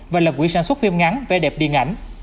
và lập quỹ sản xuất phim ngắn vẻ đẹp điện ảnh